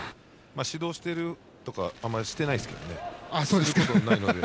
指導しているとかしてないですけどね。